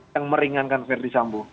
yang meringankan ferdis sambo